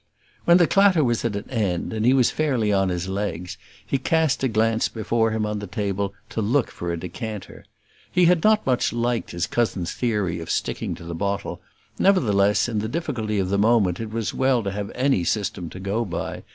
When the clatter was at an end, and he was fairly on his legs, he cast a glance before him on the table, to look for a decanter. He had not much liked his cousin's theory of sticking to the bottle; nevertheless, in the difficulty of the moment, it was well to have any system to go by.